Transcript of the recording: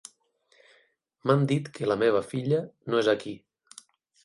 M'han dit que la meva filla no és aquí.